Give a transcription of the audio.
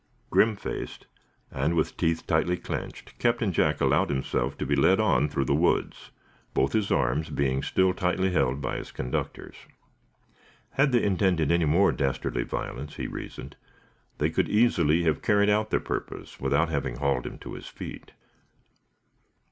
Grim faced, and with teeth tightly clenched, Captain Jack allowed himself to be led on through the woods, both his arms being still tightly held by his conductors. Had they intended any more dastardly violence, he reasoned, they could easily have carried out their purpose without having hauled him to his feet.